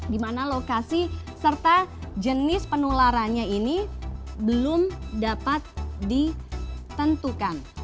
dimana lokasi serta jenis penularannya ini belum dapat ditentukan